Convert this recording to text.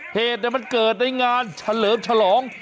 เหตุมันเกิดในงานเฉลิมฉลอง